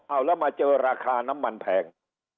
เอาแล้วมาเจอราคาน้ำมันแพง